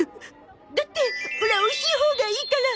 だってオラおいしいほうがいいから！